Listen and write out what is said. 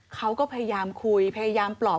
เขาก็พยายามคุยพยายามปลอบ